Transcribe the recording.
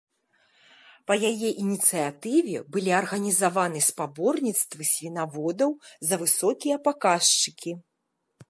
Па яе ініцыятыве былі арганізаваны спаборніцтвы свінаводаў за высокія паказчыкі.